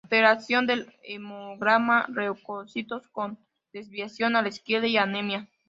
Alteración del hemograma: leucocitos con desviación a la izquierda y anemia.